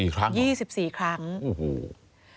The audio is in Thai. ๒๔ครั้งเหรอคะ๒๔ครั้งโอ้โฮ